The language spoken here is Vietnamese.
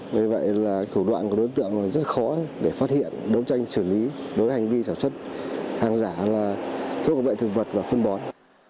vì vậy là thủ đoạn của đối tượng rất khó để phát hiện đấu tranh xử lý đối với hành vi sản xuất hàng giả là thuốc bảo vệ thực vật và phân bón